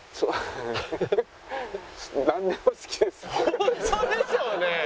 ホントでしょうね？